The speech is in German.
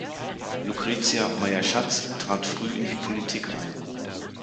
Lucrezia Meier-Schatz trat früh in die Politik ein.